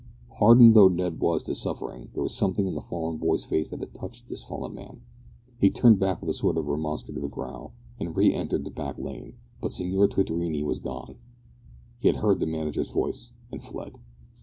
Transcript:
Hardened though Ned was to suffering, there was something in the fallen boy's face that had touched this fallen man. He turned back with a sort of remonstrative growl, and re entered the back lane, but Signor Twittorini was gone. He had heard the manager's voice, and fled.